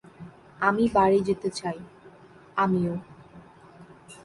"আমি বাড়ি যেতে চাই।" "আমিও।"